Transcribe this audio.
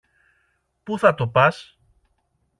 Πού θα το πας;